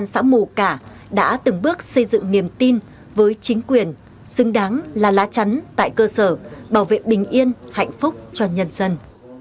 xã mù cả đã từng bước xây dựng niềm tin với chính quyền xứng đáng là lá chắn tại cơ sở bảo vệ bình yên hạnh phúc cho nhân dân